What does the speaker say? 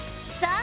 あ！